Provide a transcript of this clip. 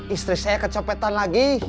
istri saya kecopetan lagi